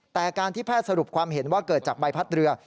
แต่การที่แพทย์สรุปความเห็นว่าเกิดจากใบพัดเรือ